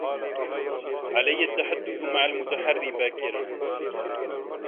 عليّ التّحدّث مع المتحرّي باكر.